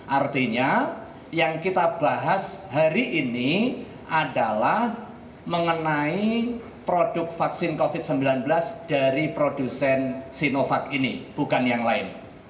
artinya yang kita bahas hari ini adalah mengenai produk vaksin covid sembilan belas dari produsen sinovac ini bukan yang lain